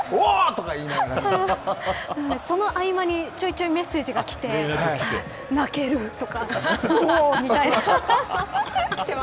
その合間にちょいちょいメッセージがきて泣けるとかおおみたいな。